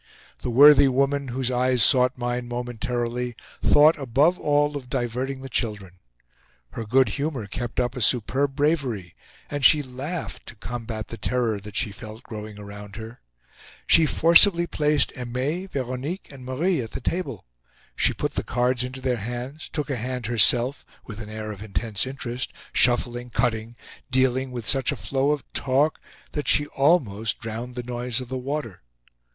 The worthy woman, whose eyes sought mine momentarily, thought above all of diverting the children. Her good humor kept up a superb bravery; and she laughed to combat the terror that she felt growing around her. She forcibly placed Aimee, Veronique, and Marie at the table. She put the cards into their hands, took a hand herself with an air of intense interest, shuffling, cutting, dealing with such a flow of talk that she almost drowned the noise of the water.